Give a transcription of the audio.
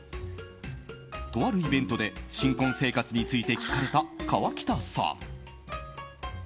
とあるイベントで新婚生活について聞かれた河北さん。